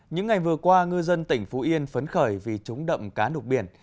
những ngày vừa qua ngư dân tỉnh phú yên phấn khởi vì trúng đậm cá nục biển